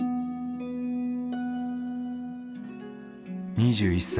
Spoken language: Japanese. ２１歳。